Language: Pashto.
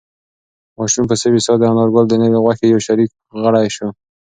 ماشوم په سوې ساه د انارګل د نوې خوښۍ یو شریک غړی شو.